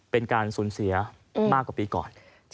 เป็นการสูญเสียมากกว่าปีก่อน